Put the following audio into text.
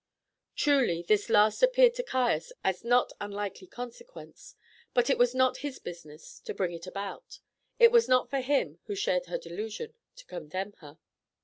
Truly, this last appeared to Cains a not unlikely consequence, but it was not his business to bring it about. It was not for him, who shared her delusion, to condemn her.